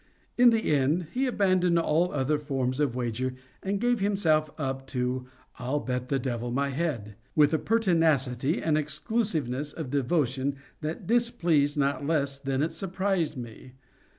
In the end, he abandoned all other forms of wager, and gave himself up to "I'll bet the Devil my head," with a pertinacity and exclusiveness of devotion that displeased not less than it surprised me.